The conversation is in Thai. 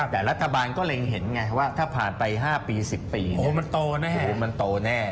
แต่รัฐบาลก็เห็นไงว่าถ้าผ่านไป๕๑๐ปีมันโตแน่